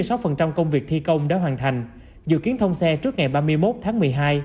cầu mỹ thuận hai có hơn chín mươi sáu công việc thi công đã hoàn thành dự kiến thông xe trước ngày ba mươi một tháng một mươi hai